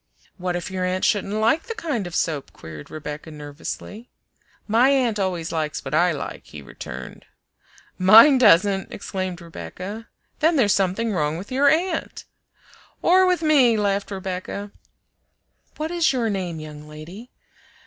"What if your aunt shouldn't like the kind of soap?" queried Rebecca nervously. "My aunt always likes what I like," he returned "Mine doesn't!" exclaimed Rebecca "Then there's something wrong with your aunt!" "Or with me," laughed Rebecca. "What is your name, young lady?"